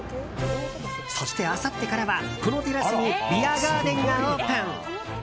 そして、あさってからはこのテラスにビアガーデンがオープン。